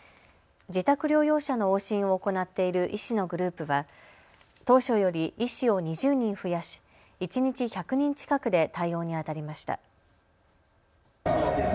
自宅療養者の往診を行っている医師のグループは当初より医師を２０人増やし一日１００人近くで対応にあたりました。